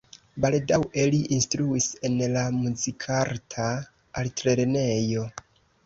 Baldaŭe li instruis en la Muzikarta Altlernejo.